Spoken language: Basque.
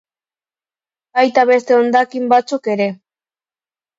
Baita beste hondakin batzuk ere.